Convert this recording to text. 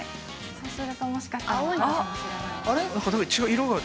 そうするともしかしたらわかるかもしれないです。